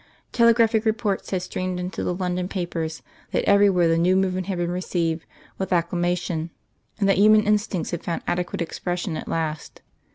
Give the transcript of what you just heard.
Telegraphic reports had streamed into the London papers that everywhere the new movement had been received with acclamation, and that human instincts had found adequate expression at last.